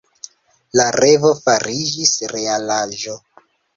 La revo fariĝis realaĵo.